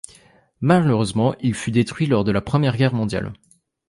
Malheureusement il fut détruit lors de la Première Guerre mondiale.